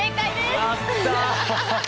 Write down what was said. やった！